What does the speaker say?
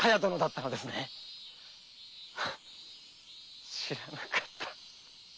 はっ知らなかった。